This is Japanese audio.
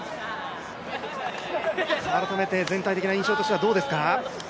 改めて全体的な印象としてはどうですか？